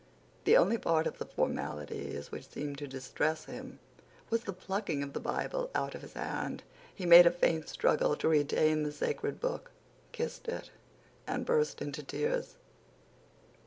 The only part of the formalities which seemed to distress him was the plucking of the Bible out of his hand. He made a faint struggle to retain the sacred book, kissed it, and burst into tears.